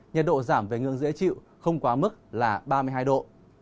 nhiệt độ giảm về ngưỡng dễ chịu không quá mức là ba mươi hai độ